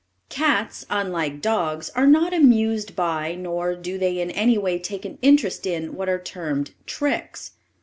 Cats, unlike dogs, are not amused by, nor do they in any way take an interest in what are termed "tricks."